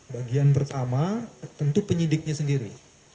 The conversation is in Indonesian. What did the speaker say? bagian pertama tentu penyidiknya sendiri